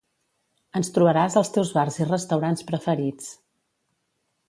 Ens trobaràs als teus bars i restaurants preferits